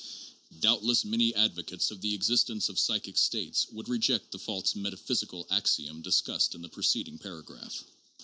Doubtless many advocates of the existence of "psychic states" would reject the false metaphysical axiom discussed in the preced ing paragraph.